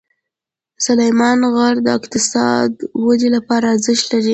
سلیمان غر د اقتصادي ودې لپاره ارزښت لري.